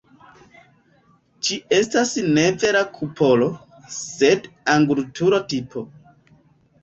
Ĝi estas ne vera kupolo, sed angulturo-tipo.